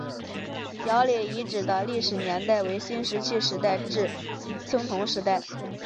姚李遗址的历史年代为新石器时代至青铜时代。